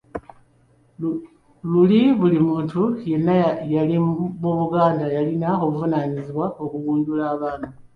Luli buli muntu yenna mu Buganda yalina obuvunaanyizibwa okugunjula abaana.